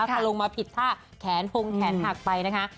พอลงมาผิดท่าแขนพงแขนหักไปนะคะ